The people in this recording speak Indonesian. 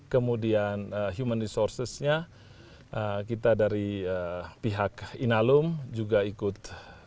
kemudian human resourcesnya kita dari pihak inalum juga ikut